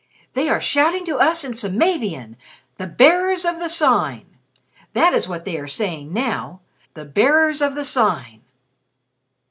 "They are shouting to us in Samavian, 'The Bearers of the Sign!' That is what they are saying now. 'The Bearers of the Sign.'"